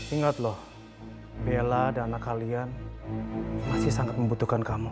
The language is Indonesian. ingat loh bela dan anak kalian masih sangat membutuhkan kamu